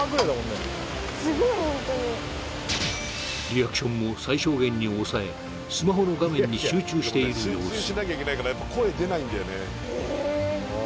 リアクションも最小限に抑えスマホの画面に集中している様子